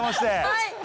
はい。